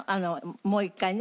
もう一回ね。